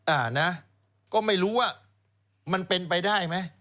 อ่านะก็ไม่รู้ว่ามันเป็นไปได้ไหม